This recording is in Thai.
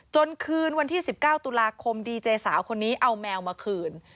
คืนวันที่๑๙ตุลาคมดีเจสาวคนนี้เอาแมวมาคืน